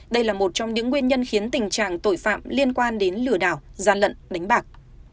đây là một trong những nguyên nhân khiến tình trạng tội phạm liên quan đến lừa đảo gian lận đánh bạc